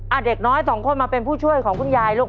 เด็กน้อยสองคนมาเป็นผู้ช่วยของคุณยายลูก